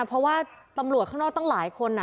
เพราะว่าตำรวจข้างนอกตั้งหลายคน